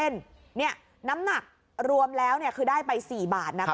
นี่น้ำหนักรวมแล้วคือได้ไป๔บาทนะคะ